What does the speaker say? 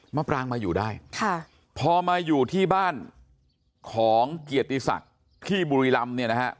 ปรางมาอยู่ได้ค่ะพอมาอยู่ที่บ้านของเกียรติศักดิ์ที่บุรีรำเนี่ยนะฮะ